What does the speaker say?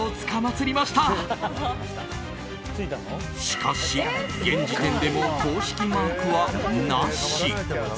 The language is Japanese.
しかし、現時点でも公式マークはなし。